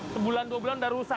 sebulan dua bulan sudah rusak